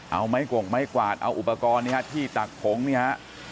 เอาไม้กว่าไม้กวาดเอาอุปกรณ์ที่ตะขมลงนี่ฮะ